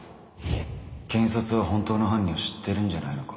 検察は本当の犯人を知ってるんじゃないのか？